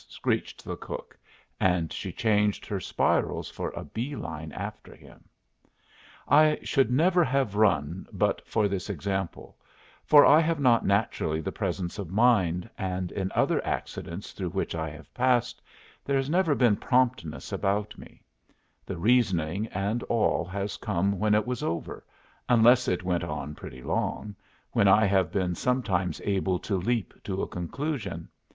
screeched the cook, and she changed her spirals for a bee line after him. I should never have run but for this example, for I have not naturally the presence of mind, and in other accidents through which I have passed there has never been promptness about me; the reasoning and all has come when it was over, unless it went on pretty long, when I have been sometimes able to leap to a conclusion.